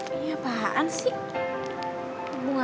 ini apaan sih